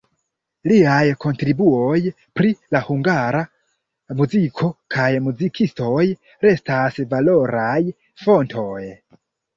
Liaj kontribuoj pri la hungara muziko kaj muzikistoj restas valoraj fontoj.